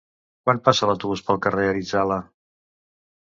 Quan passa l'autobús pel carrer Arizala?